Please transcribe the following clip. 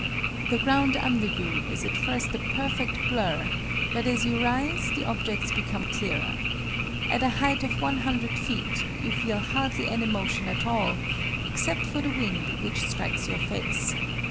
The ground under you is at first a perfect blur, but as you rise the objects become clearer. At a height of 100 feet you feel hardly any motion at all, except for the wind which strikes your face.